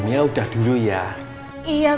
ini udah sore loh